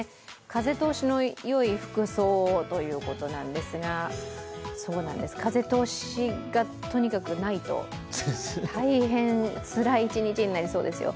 風通しのよい服装ということなんですが、風通しがとにかくないと大変つらい一日になりそうですよ。